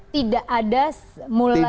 tidak ada mulai ppn